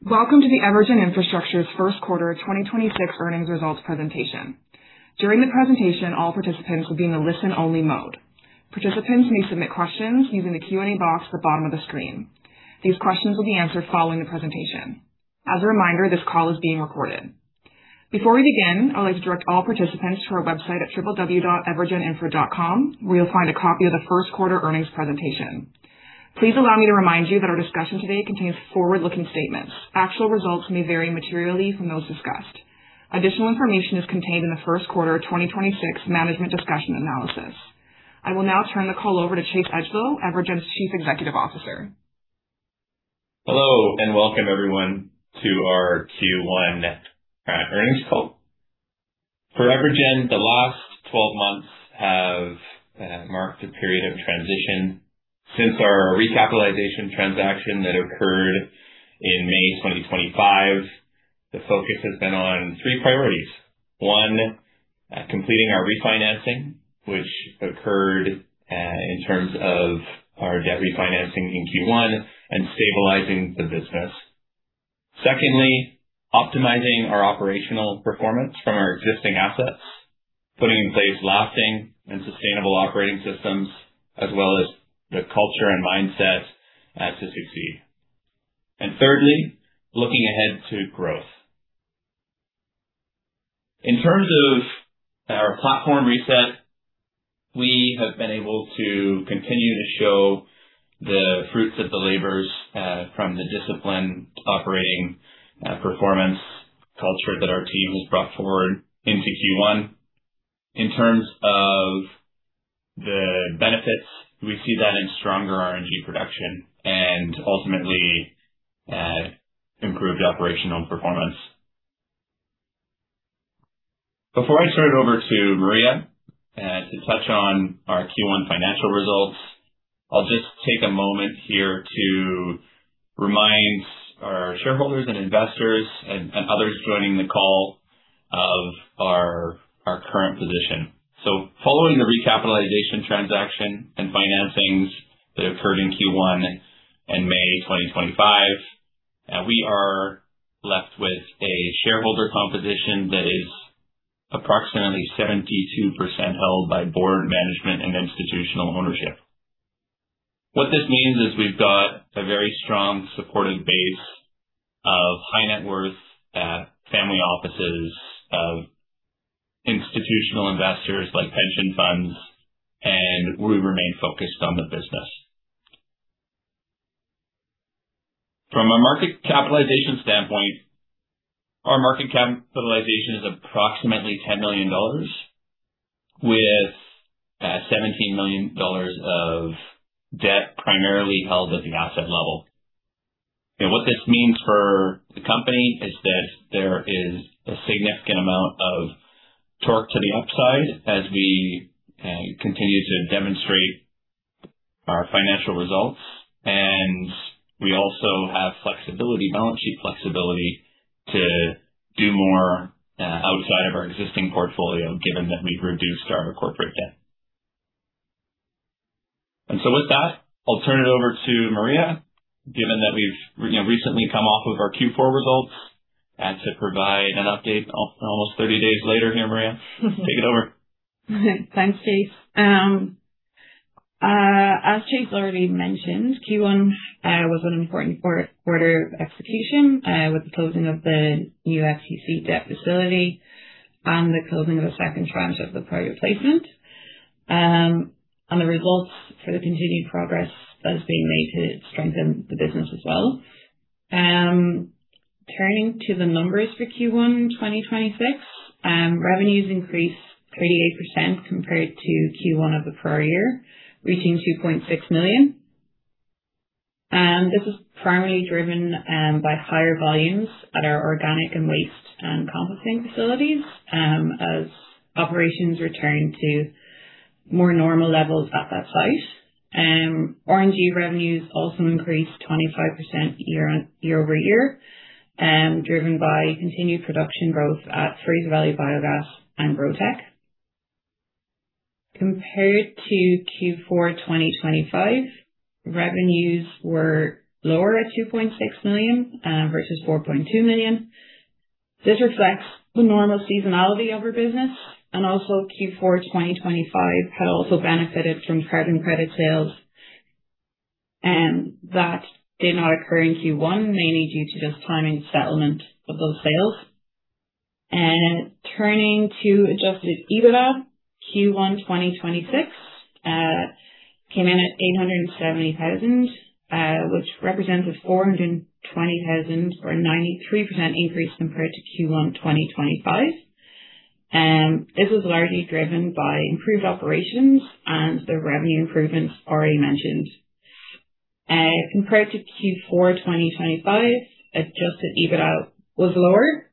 Welcome to the EverGen Infrastructure's first quarter 2026 earnings results presentation. During the presentation, all participants will be in the listen-only mode. Participants may submit questions using the Q&A box at the bottom of the screen. These questions will be answered following the presentation. As a reminder, this call is being recorded. Before we begin, I would like to direct all participants to our website at www.evergeninfra.com, where you'll find a copy of the first quarter earnings presentation. Please allow me to remind you that our discussion today contains forward-looking statements. Actual results may vary materially from those discussed. Additional information is contained in the first quarter 2026 Management's Discussion and Analysis. I will now turn the call over to Chase Edgelow, EverGen's Chief Executive Officer. Hello, and welcome everyone to our Q1 earnings call. For EverGen, the last 12 months have marked a period of transition. Since our recapitalization transaction that occurred in May 2025, the focus has been on three priorities. One, completing our refinancing, which occurred in terms of our debt refinancing in Q1 and stabilizing the business. Secondly, optimizing our operational performance from our existing assets, putting in place lasting and sustainable operating systems, as well as the culture and mindset to succeed. Thirdly, looking ahead to growth. In terms of our platform reset, we have been able to continue to show the fruits of the labors, from the discipline operating performance culture that our team has brought forward into Q1. In terms of the benefits, we see that in stronger RNG production and ultimately, improved operational performance. Before I turn it over to Maria to touch on our Q1 financial results, I'll just take a moment here to remind our shareholders and investors and others joining the call of our current position. Following the recapitalization transaction and financings that occurred in Q1 in May 2025, we are left with a shareholder composition that is approximately 72% held by board management and institutional ownership. What this means is we've got a very strong supportive base of high net worth family offices, of institutional investors like pension funds, and we remain focused on the business. From a market capitalization standpoint, our market capitalization is approximately 10 million dollars with 17 million dollars of debt primarily held at the asset level. What this means for the company is that there is a significant amount of torque to the upside as we continue to demonstrate our financial results. We also have flexibility, balance sheet flexibility to do more outside of our existing portfolio, given that we've reduced our corporate debt. With that, I'll turn it over to Maria, given that we've recently come off of our Q4 results, to provide an update almost 30 days later here, Maria. Take it over. Thanks, Chase. As Chase already mentioned, Q1 was an important quarter of execution, with the closing of the FCC debt facility and the closing of a second tranche of the private placement. The results for the continued progress that has been made to strengthen the business as well. Turning to the numbers for Q1 2026. Revenues increased 38% compared to Q1 of the prior year, reaching 2.6 million. This was primarily driven by higher volumes at our organic and waste composting facilities, as operations returned to more normal levels at that site. RNG revenues also increased 25% year-over-year, driven by continued production growth at Fraser Valley Biogas and GrowTEC. Compared to Q4 2025, revenues were lower at 2.6 million versus 4.2 million. This reflects the normal seasonality of our business, and also Q4 2025 had also benefited from carbon credit sales, that did not occur in Q1, mainly due to just timing settlement of those sales. Turning to adjusted EBITDA, Q1 2026 came in at 870,000, which represents a 420,000 or 93% increase compared to Q1 2025. This was largely driven by improved operations and the revenue improvements already mentioned. Compared to Q4 2025, adjusted EBITDA was lower,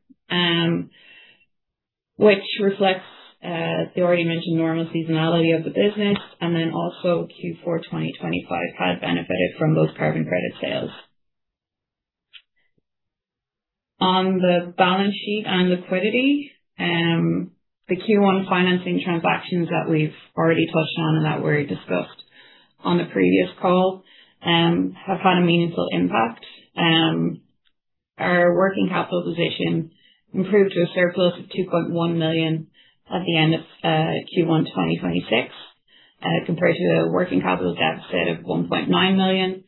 which reflects the already mentioned normal seasonality of the business, and then also Q4 2025 had benefited from those carbon credit sales. On the balance sheet and liquidity, the Q1 financing transactions that we've already touched on and that were discussed on the previous call, have had a meaningful impact. Our working capital position improved to a surplus of 2.1 million at the end of Q1 2026, compared to a working capital deficit of 1.9 million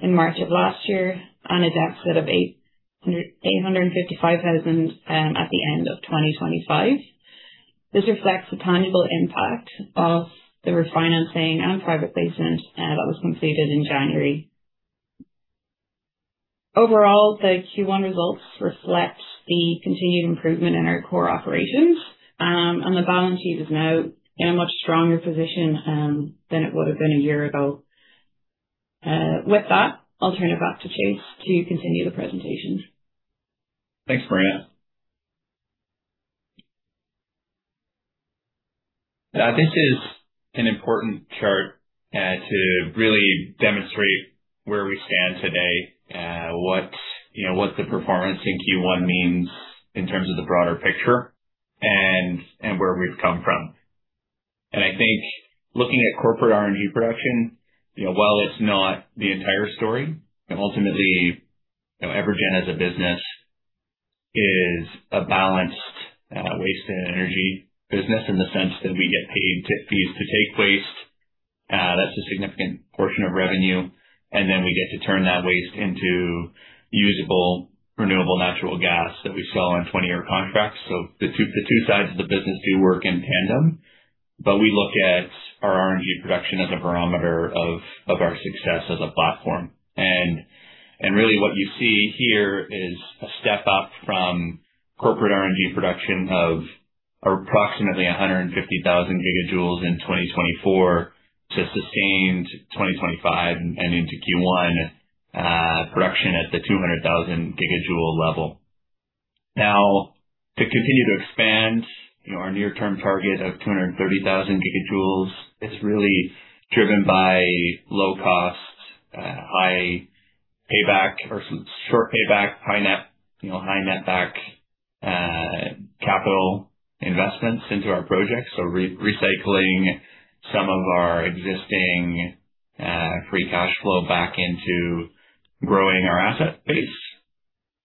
in March of last year and a deficit of 855,000 at the end of 2025. This reflects the tangible impact of the refinancing and private placement that was completed in January. The Q1 results reflect the continued improvement in our core operations. The balance sheet is now in a much stronger position than it was a year ago. With that, I'll turn it back to Chase to continue the presentation. Thanks, Maria. This is an important chart to really demonstrate where we stand today, what the performance in Q1 means in terms of the broader picture, and where we've come from. I think looking at corporate RNG production, while it's not the entire story, ultimately, EverGen as a business is a balanced waste and energy business in the sense that we get paid fees to take waste. That's a significant portion of revenue. Then we get to turn that waste into usable renewable natural gas that we sell on 20-year contracts. The two sides of the business do work in tandem. We look at our RNG production as a barometer of our success as a platform. Really what you see here is a step up from corporate RNG production of approximately 150,000 gigajoules in 2024 to sustained 2025 and into Q1 production at the 200,000 gigajoule level. Now, to continue to expand our near-term target of 230,000 gigajoules, it's really driven by low cost, high payback or short payback, high net back capital investments into our projects. Recycling some of our existing free cash flow back into growing our asset base.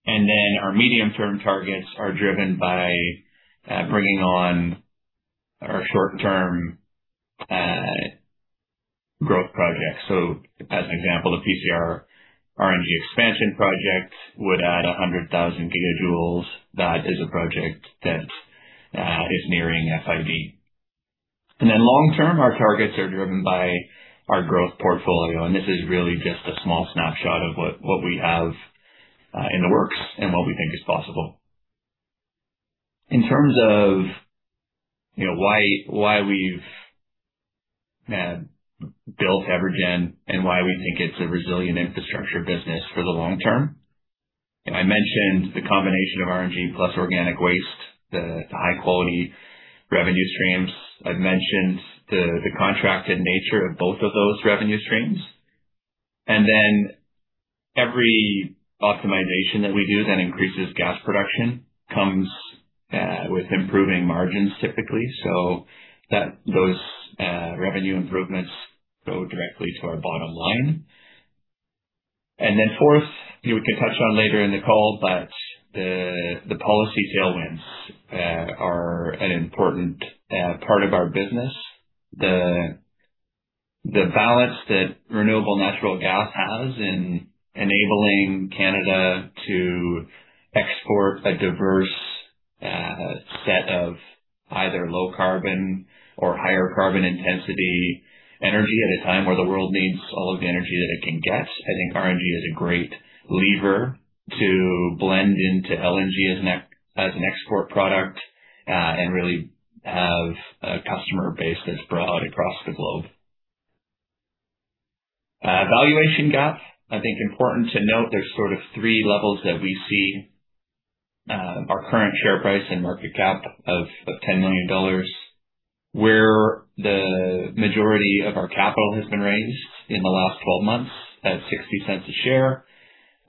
Our medium-term targets are driven by bringing on our short-term growth projects. As an example, the PCR RNG expansion project would add 100,000 gigajoules. That is a project that is nearing FID. Long-term, our targets are driven by our growth portfolio, and this is really just a small snapshot of what we have in the works and what we think is possible. In terms of why we've built EverGen and why we think it's a resilient infrastructure business for the long term. I mentioned the combination of RNG plus organic waste, the high-quality revenue streams. I've mentioned the contracted nature of both of those revenue streams. Every optimization that we do that increases gas production comes with improving margins typically, so those revenue improvements go directly to our bottom line. Fourth, we can touch on later in the call, but the policy tailwinds are an important part of our business. The balance that renewable natural gas has in enabling Canada to export a diverse set of either low carbon or higher carbon intensity energy at a time where the world needs all of the energy that it can get. I think RNG is a great lever to blend into LNG as an export product, really have a customer base that's broad across the globe. Valuation gap, I think important to note, there's sort of three levels that we see. Our current share price and market cap of 10 million dollars, where the majority of our capital has been raised in the last 12 months at 0.60 a share,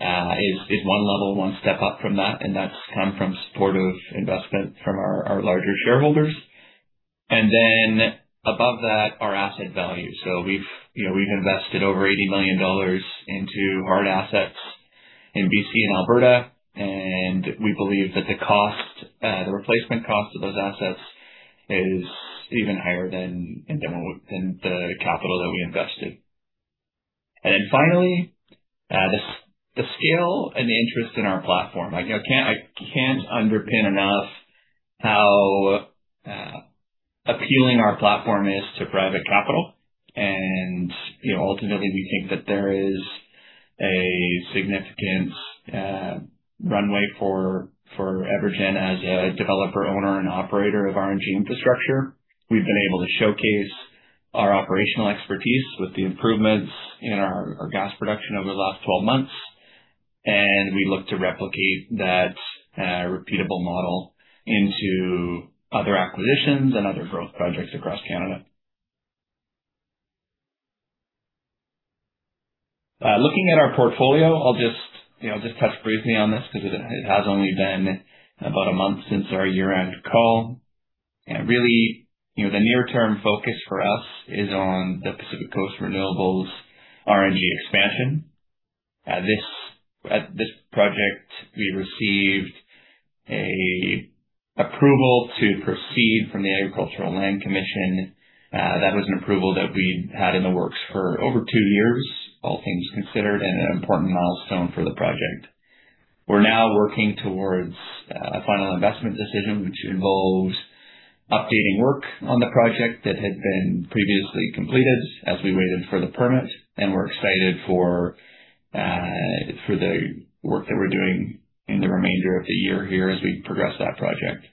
is one level, one step up from that's come from supportive investment from our larger shareholders. Above that, our asset value. We've invested over 80 million dollars into hard assets in B.C. and Alberta, and we believe that the replacement cost of those assets is even higher than the capital that we invested. Finally, the scale and the interest in our platform. I can't underpin enough how appealing our platform is to private capital. Ultimately, we think that there is a significant runway for EverGen as a developer, owner, and operator of RNG infrastructure. We've been able to showcase our operational expertise with the improvements in our gas production over the last 12 months, and we look to replicate that repeatable model into other acquisitions and other growth projects across Canada. Looking at our portfolio, I'll just touch briefly on this because it has only been about a month since our year-end call. Really, the near-term focus for us is on the Pacific Coast Renewables RNG expansion. This project, we received an approval to proceed from the Agricultural Land Commission. That was an approval that we had in the works for over two years, all things considered, and an important milestone for the project. We're now working towards a Final Investment Decision, which involves updating work on the project that had been previously completed as we waited for the permit, and we're excited for the work that we're doing in the remainder of the year here as we progress that project.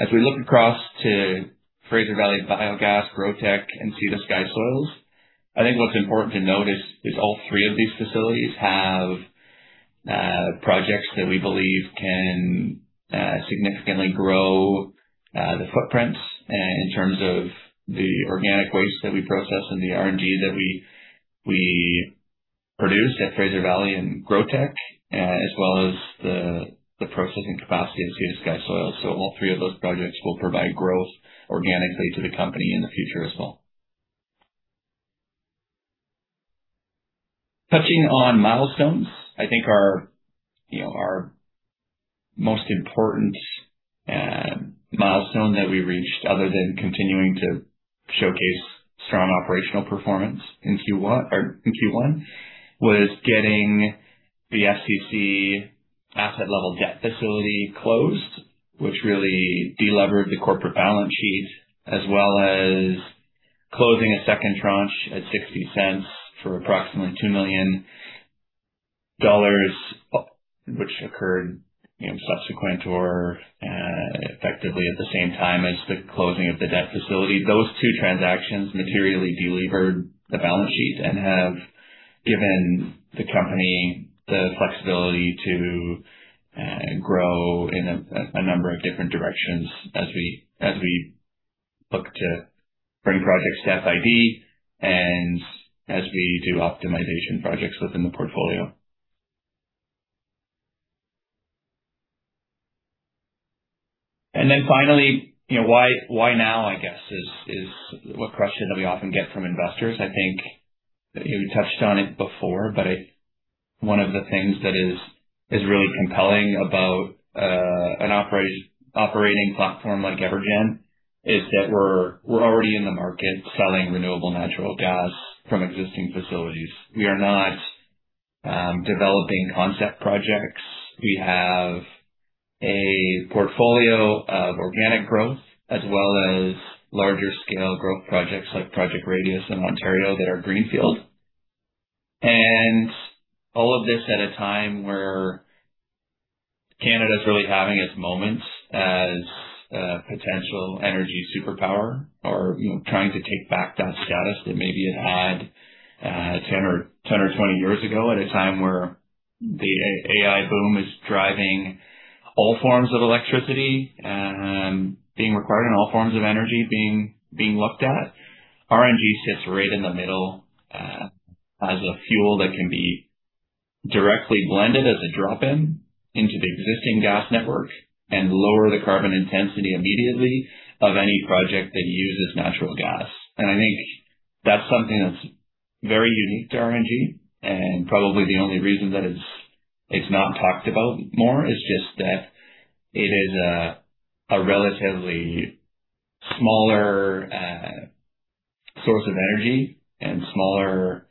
As we look across to Fraser Valley Biogas, GrowTEC, and Sea to Sky Soils, I think what's important to note is all three of these facilities have projects that we believe can significantly grow the footprints in terms of the organic waste that we process and the RNG that we produce at Fraser Valley and GrowTEC, as well as the processing capacity of Sea to Sky Soils. All three of those projects will provide growth organically to the company in the future as well. Touching on milestones, I think our most important milestone that we reached, other than continuing to showcase strong operational performance in Q1, was getting the FCC asset-level debt facility closed, which really delevered the corporate balance sheet, as well as closing a second tranche at 0.60 for approximately 2 million dollars, which occurred subsequent or effectively at the same time as the closing of the debt facility. Those two transactions materially delevered the balance sheet and have given the company the flexibility to grow in a number of different directions as we look to bring projects to FID and as we do optimization projects within the portfolio. Finally, why now, I guess, is what question that we often get from investors. I think you touched on it before, but one of the things that is really compelling about an operating platform like EverGen is that we're already in the market selling renewable natural gas from existing facilities. We are not developing concept projects. We have a portfolio of organic growth as well as larger scale growth projects like Project Radius in Ontario that are greenfield. All of this at a time where Canada is really having its moment as a potential energy superpower or trying to take back that status that maybe it had 10 or 20 years ago at a time where the AI boom is driving all forms of electricity, being required and all forms of energy being looked at. RNG sits right in the middle as a fuel that can be directly blended as a drop-in into the existing gas network and lower the carbon intensity immediately of any project that uses natural gas. I think that's something that's very unique to RNG, and probably the only reason that it's not talked about more is just that it is a relatively smaller source of energy and smaller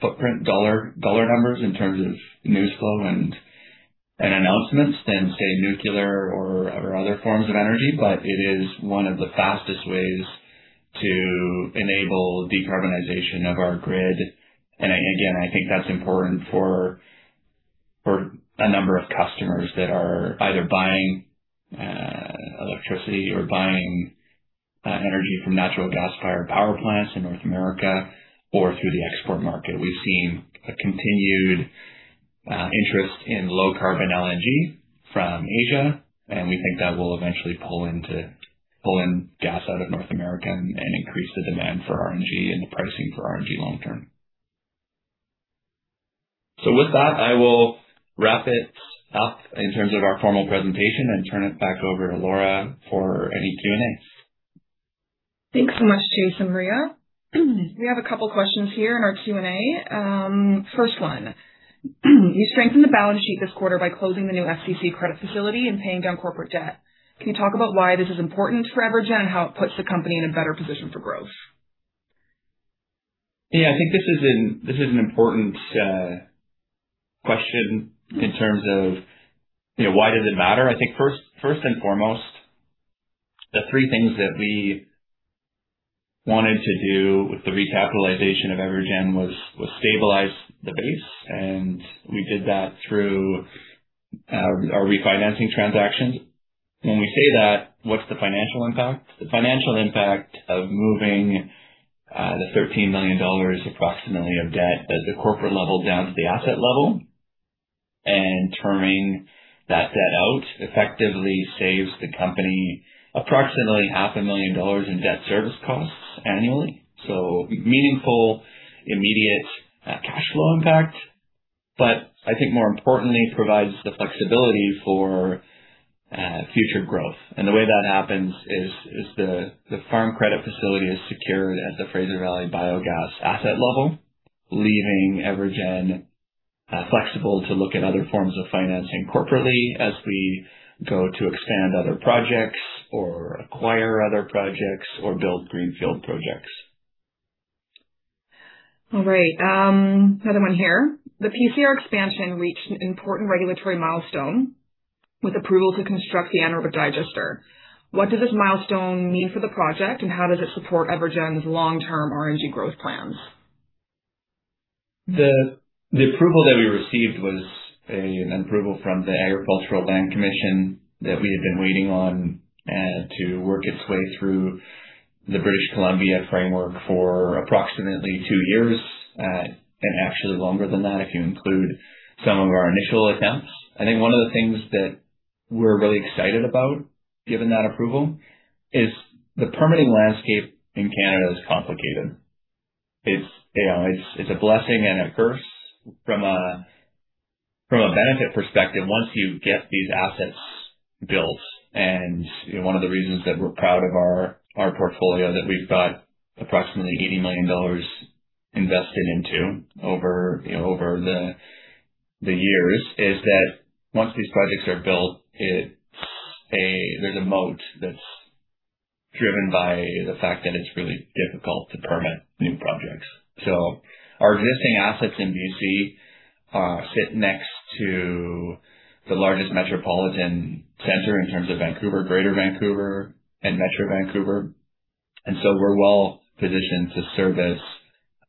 footprint dollar numbers in terms of news flow and announcements than, say, nuclear or other forms of energy. It is one of the fastest ways to enable decarbonization of our grid. Again, I think that's important for a number of customers that are either buying electricity or buying energy from natural gas-fired power plants in North America or through the export market. We've seen a continued interest in low carbon LNG from Asia. We think that will eventually pull in gas out of North America and increase the demand for RNG and the pricing for RNG long term. With that, I will wrap it up in terms of our formal presentation and turn it back over to Laura for any Q&As. Thanks so much, Chase and Maria. We have a couple questions here in our Q&A. First one, you strengthened the balance sheet this quarter by closing the new FCC credit facility and paying down corporate debt. Can you talk about why this is important for EverGen and how it puts the company in a better position for growth? Yeah. I think this is an important question in terms of why does it matter. I think first and foremost, the three things that we wanted to do with the recapitalization of EverGen was stabilize the base, and we did that through our refinancing transactions. When we say that, what's the financial impact? The financial impact of moving the 13 million dollars approximately of debt at the corporate level down to the asset level. Turning that debt out effectively saves the company approximately 500,000 dollars in debt service costs annually. Meaningful, immediate cash flow impact, but I think more importantly, provides the flexibility for future growth. The way that happens is the Farm Credit facility is secured at the Fraser Valley Biogas asset level, leaving EverGen flexible to look at other forms of financing corporately as we go to expand other projects or acquire other projects or build greenfield projects. All right. Another one here. The PCR expansion reached an important regulatory milestone with approval to construct the anaerobic digester. What does this milestone mean for the project, and how does it support EverGen's long-term RNG growth plans? The approval that we received was an approval from the Agricultural Land Commission that we had been waiting on to work its way through the British Columbia framework for approximately two years, and actually longer than that, if you include some of our initial attempts. I think one of the things that we're really excited about, given that approval, is the permitting landscape in Canada is complicated. It's a blessing and a curse. From a benefit perspective, once you get these assets built, and one of the reasons that we're proud of our portfolio that we've got approximately 80 million dollars invested into over the years, is that once these projects are built, there's a moat that's driven by the fact that it's really difficult to permit new projects. Our existing assets in B.C. sit next to the largest metropolitan center in terms of Vancouver, Greater Vancouver, and Metro Vancouver. We're well-positioned to service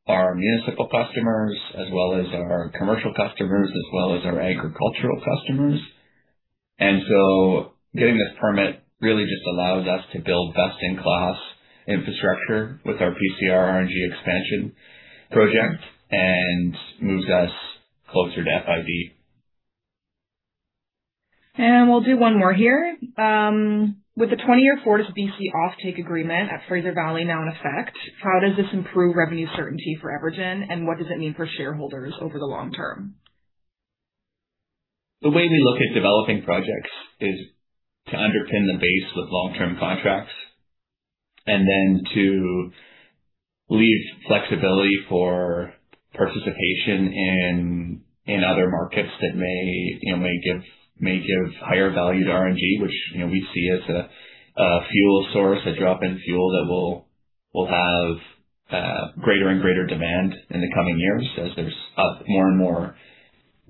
our municipal customers as well as our commercial customers as well as our agricultural customers. Getting this permit really just allows us to build best-in-class infrastructure with our PCR RNG expansion project and moves us closer to FID. We'll do one more here. With the 20-year FortisBC offtake agreement at Fraser Valley now in effect, how does this improve revenue certainty for EverGen, and what does it mean for shareholders over the long term? The way we look at developing projects is to underpin the base with long-term contracts and then to leave flexibility for participation in other markets that may give higher value to RNG, which we see as a fuel source, a drop-in fuel that will have greater and greater demand in the coming years as there's more and more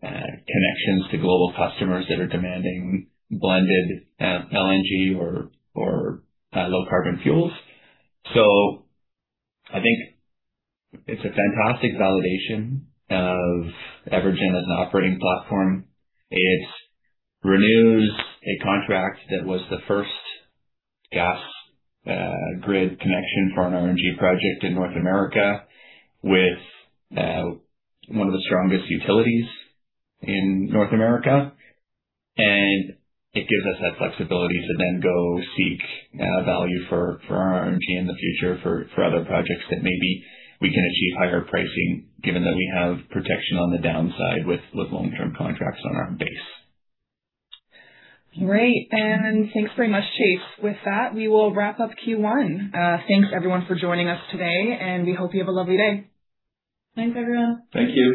connections to global customers that are demanding blended LNG or low carbon fuels. I think it's a fantastic validation of EverGen as an operating platform. It renews a contract that was the first gas grid connection for an RNG project in North America with one of the strongest utilities in North America. It gives us that flexibility to then go seek value for our RNG in the future for other projects that maybe we can achieve higher pricing, given that we have protection on the downside with long-term contracts on our base. Great. Thanks very much, Chase. With that, we will wrap up Q1. Thanks, everyone, for joining us today, and we hope you have a lovely day. Thanks, everyone. Thank you.